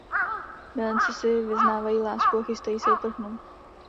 Milenci si vyznávají lásku a chystají se uprchnout.